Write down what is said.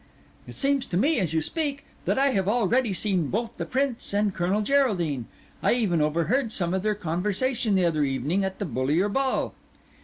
"It seems to me, as you speak, that I have already seen both the Prince and Colonel Geraldine; I even overheard some of their conversation the other evening at the Bullier Ball."